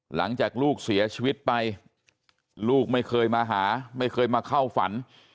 หลังจากลูกเสียชีวิตไปลูกไม่เคยมาหาไม่เคยมาเข้าฝัน